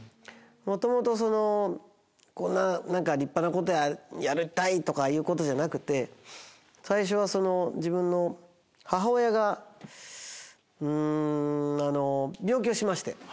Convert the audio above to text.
もともとその何か立派なことやりたいとかいうことじゃなくて最初は自分の母親がうんあの病気をしまして。